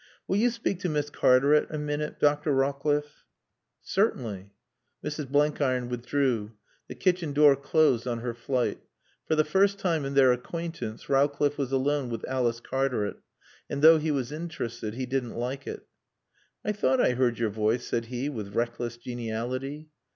"Will you speak to Miss Cartaret a minute, Dr. Rawcliffe?" "Certainly." Mrs. Blenkiron withdrew. The kitchen door closed on her flight. For the first time in their acquaintance Rowcliffe was alone with Alice Cartaret, and though he was interested he didn't like it. "I thought I heard your voice," said he with reckless geniality.